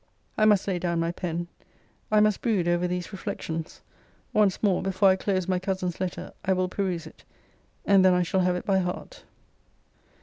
I must lay down my pen. I must brood over these reflections. Once more, before I close my cousin's letter, I will peruse it. And then I shall have it by heart.